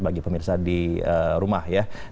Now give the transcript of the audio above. bagi pemirsa di rumah ya